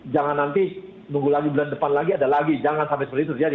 jangan nanti nunggu lagi bulan depan lagi ada lagi jangan sampai seperti itu terjadi